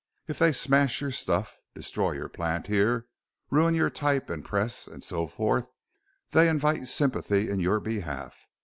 If they smash your stuff, destroy your plant here, ruin your type and press, and so forth, they invite sympathy in your behalf.